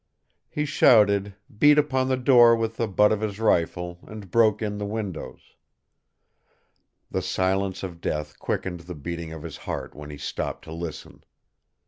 He shouted, beat upon the door with the butt of his rifle and broke in the windows. The silence of death quickened the beating of his heart when he stopped to listen.